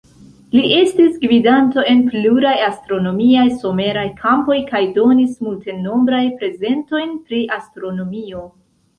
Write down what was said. Li estis gvidanto en pluraj astronomiaj someraj kampoj kaj donis multenombraj prezentojn pri astronomio.